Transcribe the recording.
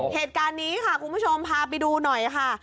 เหตุการณ์นี้ค่ะคุณผู้ชมพาไปดูหน่อยค่ะ